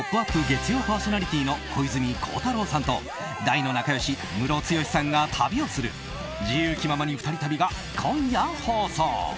月曜パーソナリティーの小泉孝太郎さんと、大の仲良しムロツヨシさんが旅をする「自由気ままに２人旅」が今夜放送。